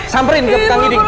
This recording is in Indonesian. sampirin di depan gini